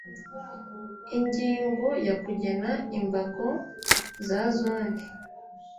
Ingingo ya Kugena imbago za Zone